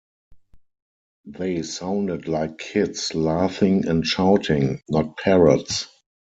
They sounded like kids laughing and shouting, not parrots.